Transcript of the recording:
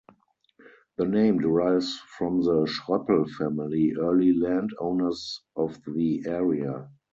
The name derives from the Schroeppel family, early land owners of the area.